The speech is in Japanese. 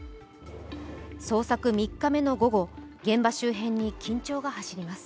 捜索３日目の午後、現場周辺に緊張が走ります。